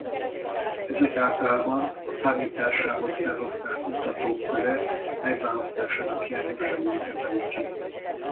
Ezek általában a számításához felhasznált mutatók köre megválasztásának hiányosságait emeli ki.